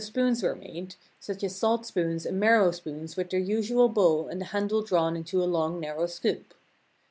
Adam design spoons were made, such as salt spoons and marrow spoons with their usual bowl and the handle drawn into a long narrow scoop.